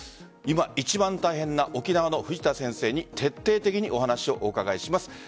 今一番大変な沖縄の藤田先生に徹底的にお話をお伺いします。